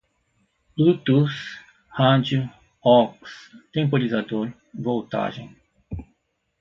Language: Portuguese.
bluetooth, rádio, aux, temporarizador, voltagem